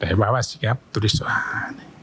dari bawah siap tulis doang